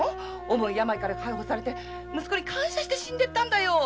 重い病から解放されて息子に感謝して死んでったんだよ。